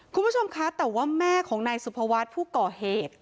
คุณผู้ชมคะแต่ว่าแม่ของนายสุภวัฒน์ผู้ก่อเหตุ